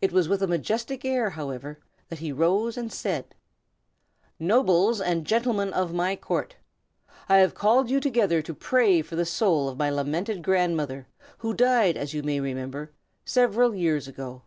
It was with a majestic air, however, that he rose and said: "Nobles, and gentlemen of my court! I have called you together to pray for the soul of my lamented grandmother, who died, as you may remember, several years ago.